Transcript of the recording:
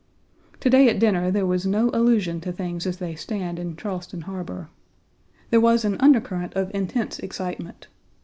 To day at dinner there was no allusion to things as they stand in Charleston Harbor. There was an undercurrent of intense excitement.